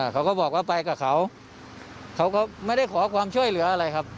เขาก็บอกว่าไปกับเขาเขาก็ไม่ได้ขอความช่วยเหลืออะไรครับ